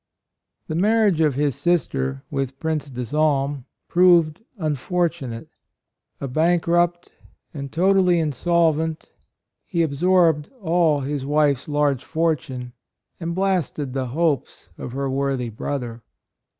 The marriage of his sister with Prince De Salm proved unfortu nate. A bankrupt and totally in solvent, he absorbed all his wife's large fortune and blasted the hopes of her worthy brother.